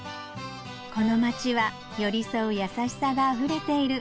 この街は寄り添う優しさがあふれている